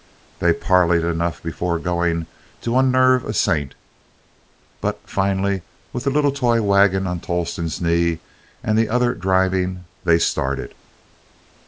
They parleyed enough before going to unnerve a saint, but finally, with the little toy wagon on Tolleston's knee and the other driving, they started.